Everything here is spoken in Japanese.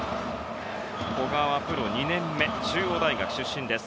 古賀はプロ２年目中央大学出身です。